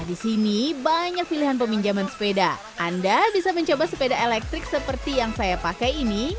di sini banyak pilihan peminjaman sepeda anda bisa mencoba sepeda elektrik seperti yang saya pakai ini